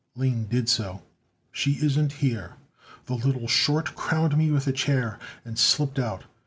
Lane did so. "She isn't here. The little short crowned me with a chair, and slipped out.